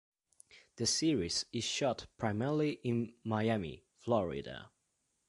The series is shot primarily in Miami, Florida.